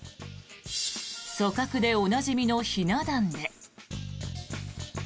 組閣でおなじみのひな壇で。